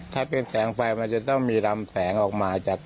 ถ้าเป็นแสงไฟมันจะต้องมีลำแสงออกมาจาก